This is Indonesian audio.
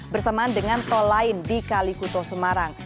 bersamaan dengan tol lain di kalikuto semarang